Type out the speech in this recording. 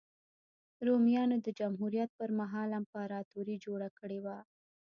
رومیانو د جمهوریت پرمهال امپراتوري جوړه کړې وه.